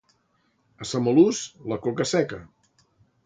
A Samalús, la coca seca.